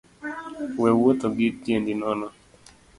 We wuotho gi tiendi nono